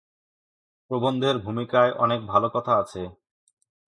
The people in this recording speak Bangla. প্রবন্ধের ভূমিকায় অনেক ভালো কথা আছে।